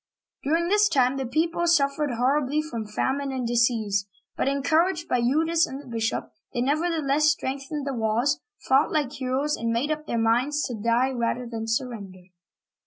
During that time the people suffered horribly from famine and disease ; but, encouraged by Eudes and the bishop, they nevertheless strengthened the walls, fought like heroes, and made up their minds to die rather than surrender.